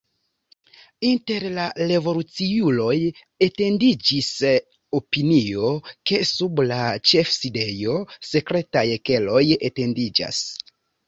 Inter la revoluciuloj etendiĝis opinio, ke sub la ĉefsidejo sekretaj keloj etendiĝas.